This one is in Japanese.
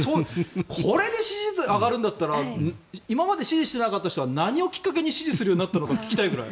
これで支持率が上がるんだったら今まで支持していなかった人は何をきっかけに支持するようになったのか聞きたいぐらい。